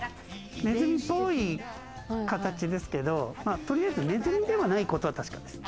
ネズミっぽい形ですけど、とりあえずネズミではないことは確かです。